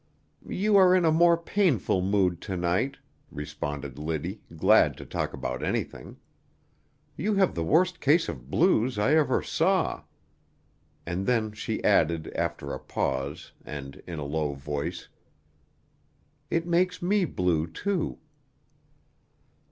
"You are in a more painful mood to night," responded Liddy, glad to talk about anything. "You have the worst case of blues I ever saw;" and then she added, after a pause, and in a low voice: "It makes me blue, too."